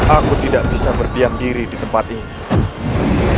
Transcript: aku tidak bisa berdiam diri di tempat ini